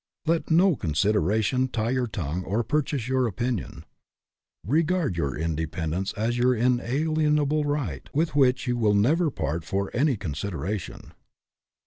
Let no consideration tie your tongue or purchase your opinion. Regard your independence as your inalienable right, with which you will never part for any con sideration.